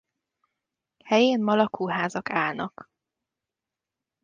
Helyén ma lakóházak állnak.